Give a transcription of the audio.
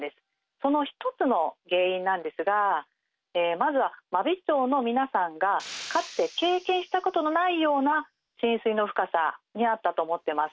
その一つの原因なんですがまずは真備町の皆さんがかつて経験したことのないような浸水の深さにあったと思ってます。